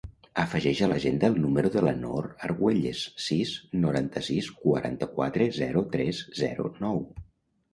Afegeix a l'agenda el número de la Noor Arguelles: sis, noranta-sis, quaranta-quatre, zero, tres, zero, nou.